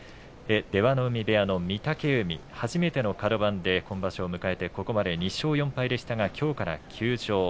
出羽海部屋の御嶽海初めてのカド番で今場所を迎えてここまで２勝４敗でしたがきょうから休場。